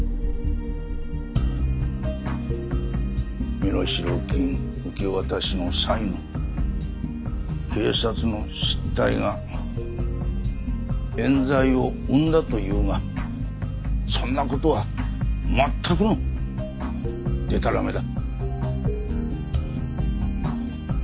身代金受け渡しの際の警察の失態が冤罪を生んだというがそんな事は全くのでたらめだ。